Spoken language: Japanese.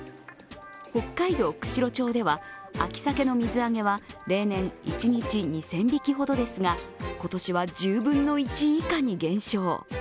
北海道釧路町では秋鮭の水揚げは例年１日２０００匹ほどですが、今年は１０分の１以下に減少。